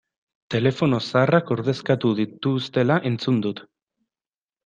Telefono zaharrak ordezkatu dituztela entzun dut.